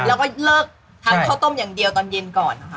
แล้วก็เลิกทานข้าวต้มอย่างเดียวตอนเย็นก่อนนะคะ